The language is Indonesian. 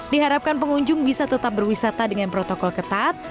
diharapkan pengunjung bisa tetap berwisata dengan protokol ketat